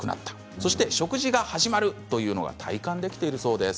そして食事が始まるというのが体感できているそうです。